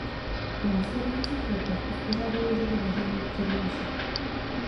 V následujících letech uspořádali řadu veřejných přednášek.